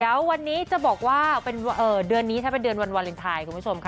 เดี๋ยววันนี้จะบอกว่าเป็นเดือนนี้ถ้าเป็นเดือนวันวาเลนไทยคุณผู้ชมค่ะ